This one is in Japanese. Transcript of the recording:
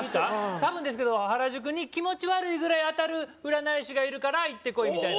多分ですけど「原宿に気持ち悪いぐらい当たる」「占い師がいるから行ってこい」みたいな